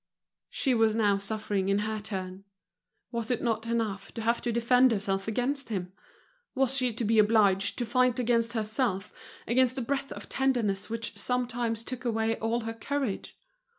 She was now suffering in her turn. Was it not enough to have to defend herself against him? Was she to be obliged to fight against herself, against the breath of tenderness which sometimes took away all her courage?